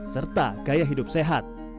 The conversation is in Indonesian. serta gaya hidup sehat